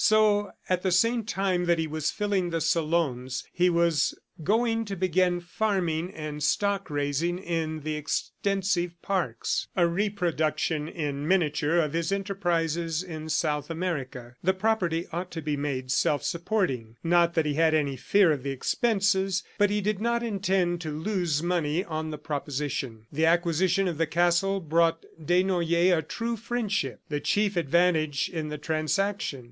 ... So at the same time that he was filling the salons, he was going to begin farming and stock raising in the extensive parks a reproduction in miniature of his enterprises in South America. The property ought to be made self supporting. Not that he had any fear of the expenses, but he did not intend to lose money on the proposition. The acquisition of the castle brought Desnoyers a true friendship the chief advantage in the transaction.